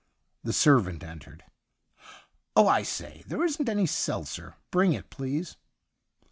The servant entered. ' Oh, I say;, there isn't any seltzer. Bring it, please.'